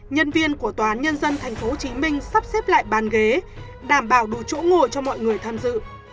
nhân viên của tòa án nhân dân tp hcm sắp xếp lại bàn ghế đảm bảo đủ chỗ ngồi cho mọi người tham dự